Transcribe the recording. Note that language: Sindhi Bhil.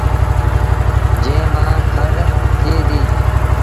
جݩهݩ مآݩ کڙ ٿئي ديٚ